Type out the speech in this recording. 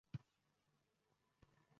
Ortida qanotlari ham kichkina kuchuklar…